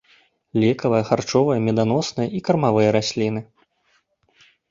Лекавыя, харчовыя, меданосныя і кармавыя расліны.